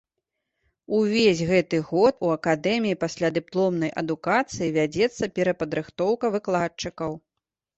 Увесь гэты год у акадэміі паслядыпломнай адукацыі вядзецца перападрыхтоўка выкладчыкаў.